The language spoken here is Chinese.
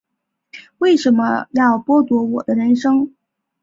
为什么要剥夺我的人生